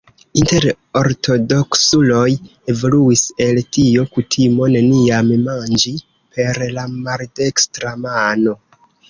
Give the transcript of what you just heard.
Inter ortodoksuloj evoluis el tio kutimo neniam manĝi per la maldekstra mano.